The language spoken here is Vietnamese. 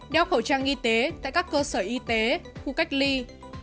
đeo khẩu trang y tế tại các cơ sở y tế khu cách ly